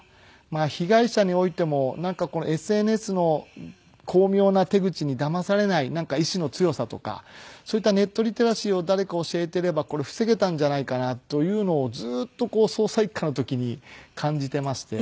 被害者においてもなんかＳＮＳの巧妙な手口にだまされない意志の強さとかそういったネットリテラシーを誰か教えていればこれ防げたんじゃないかなというのをずっと捜査一課の時に感じていまして。